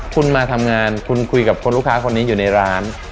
คุณมาทำงานคุณคุยกับคนลูกค้าคนนี้อยู่ในร้าน